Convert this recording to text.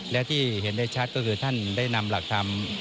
และที่เห็นได้ชัดก็คือท่านได้นำหลักธรรม